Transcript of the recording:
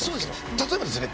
例えばですね